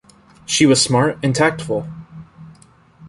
She was smart and tactful.